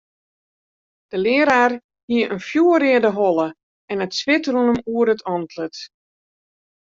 De learaar hie in fjoerreade holle en it swit rûn him oer it antlit.